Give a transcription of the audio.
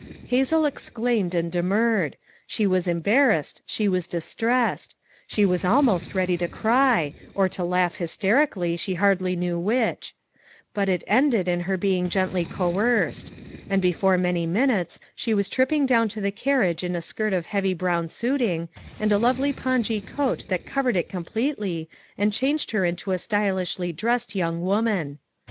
Hazel exclaimed and demurred; she was em barrassed, she was distressed; she was almost ready to cry; or to laugh hysterically, she hardly knew which; but it ended in her being gently coerced; and before many minutes she was tripping down to the carriage in a skirt of heavy brown suiting, and a lovely pongee coat that covered it completely, and changed her into a stylishly dressed young woman.